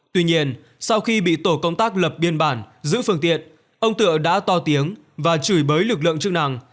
tuy nhiên sau khi bị tổ công tác lập biên bản giữ phương tiện ông tựa đã to tiếng và chửi bới lực lượng chức năng